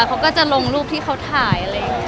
เขาก็จะลงรูปที่เขาถ่าย